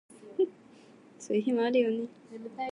そういう日もあるよね